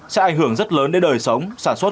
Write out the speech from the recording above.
sẽ ảnh hưởng rất lớn đến đời sống sản xuất